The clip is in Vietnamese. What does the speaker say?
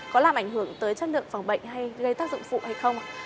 có làm ảnh hưởng tới chất lượng phòng bệnh hay gây tác dụng phụ hay không